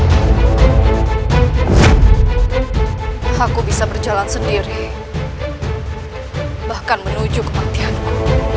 kita percaya bahwa aku bisa berjalan sendiri bahkan menuju kematianku